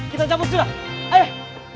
kita cabut sudah ayo deh